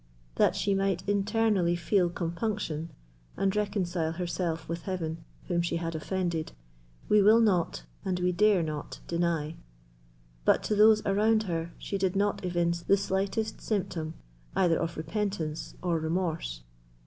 That she might internally feel compunction, and reconcile herself with Heaven, whom she had offended, we will not, and we dare not, deny; but to those around her she did not evince the slightest symptom either of repentance or remorse.